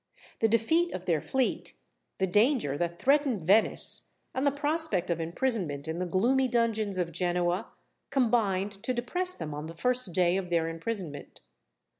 The defeat of their fleet, the danger that threatened Venice, and the prospect of imprisonment in the gloomy dungeons of Genoa, combined to depress them on the first day of their imprisonment.